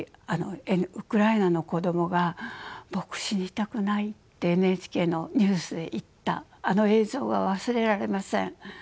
ウクライナの子どもが「僕死にたくない」ってＮＨＫのニュースで言ったあの映像が忘れられません。